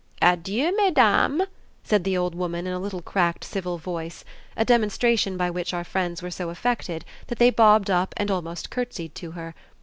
"Adieu mesdames!" said the old woman in a little cracked civil voice a demonstration by which our friends were so affected that they bobbed up and almost curtseyed to her.